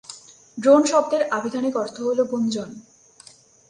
Drone শব্দের আভিধানিক অর্থ হল গুঞ্জন।